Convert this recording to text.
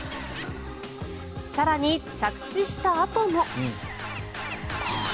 更に着地したあとも。